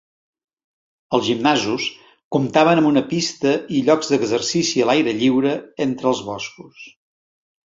Els gimnasos comptaven amb una pista i llocs d'exercici a l'aire lliure entre els boscos.